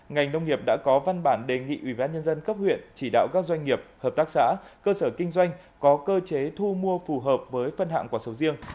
ngành nông nghiệp đã có văn bản đề nghị ubnd cấp huyện chỉ đạo các doanh nghiệp hợp tác xã cơ sở kinh doanh có cơ chế thu mua phù hợp với phân hạng quả sầu riêng